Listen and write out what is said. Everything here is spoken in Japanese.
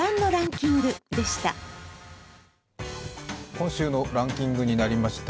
今週のランキングになりました。